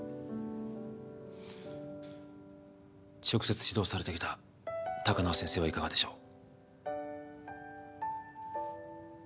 直接指導されてきた高輪先生はいかがでしょう？